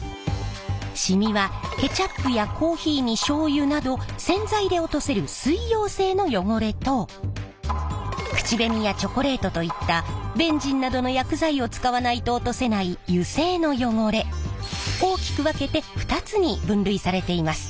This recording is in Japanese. しみはケチャップやコーヒーにしょうゆなど洗剤で落とせる水溶性の汚れと口紅やチョコレートといったベンジンなどの薬剤を使わないと落とせない油性の汚れ大きく分けて２つに分類されています。